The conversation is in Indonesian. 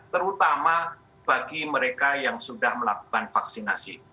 terutama bagi mereka yang sudah melakukan vaksinasi